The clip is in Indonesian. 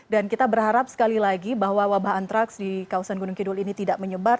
dan kita berharap sekali lagi bahwa wabah antraks di kawasan gunung kidul ini tidak menyebar